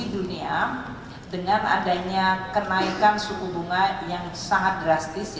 dengan adanya kenaikan suku bunga yang sangat drastis